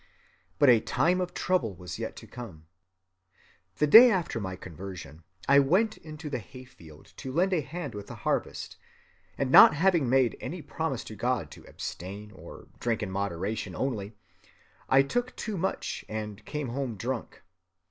"But a time of trouble was yet to come. The day after my conversion I went into the hay‐field to lend a hand with the harvest, and not having made any promise to God to abstain or drink in moderation only, I took too much and came home drunk.